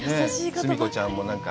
スミ子ちゃんも。